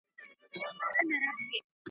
له آمو تر اباسينه .